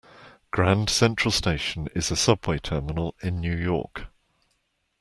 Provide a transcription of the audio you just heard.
Grand Central Station is a subway terminal in New York.